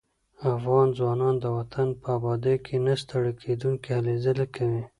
افغان ځوانان د وطن په ابادۍ کې نه ستړي کېدونکي هلې ځلې کوي.